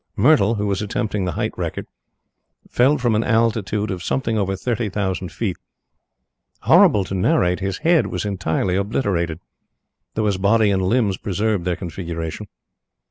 Myrtle, who was attempting the height record, fell from an altitude of something over thirty thousand feet. Horrible to narrate, his head was entirely obliterated, though his body and limbs preserved their configuration.